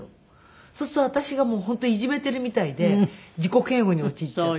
そうすると私が本当いじめているみたいで自己嫌悪に陥っちゃって。